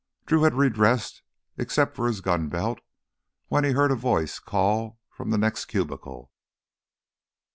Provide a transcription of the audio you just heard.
Drew had re dressed except for his gun belt when he heard a voice call from the next cubicle.